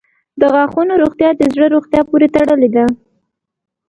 • د غاښونو روغتیا د زړه روغتیا پورې تړلې ده.